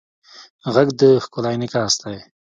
غږ د ښکلا انعکاس دی